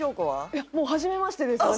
いやもう初めましてです私。